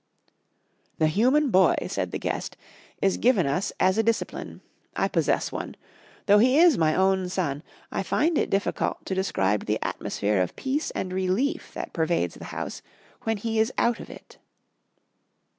"The human boy," said the guest, "is given us as a discipline. I possess one. Though he is my own son, I find it difficult to describe the atmosphere of peace and relief that pervades the house when he is out of it."